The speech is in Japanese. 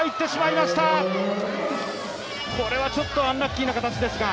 これはちょっとアンラッキーな形ですが。